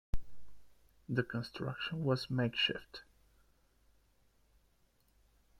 The construction was makeshift.